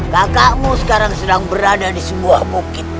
kakakmu sekarang sedang berada di sebuah bukit